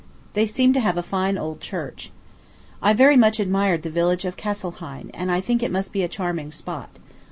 They seem to have a fine old church. I very much admired the village of Kesselhein, and I think it must be a charming spot.